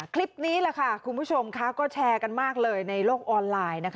คลิปนี้คุณผู้ชมก็แชร์กันมากเลยในโลกออนไลน์